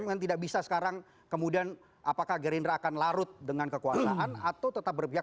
memang tidak bisa sekarang kemudian apakah gerindra akan larut dengan kekuasaan atau tetap berpihak